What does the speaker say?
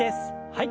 はい。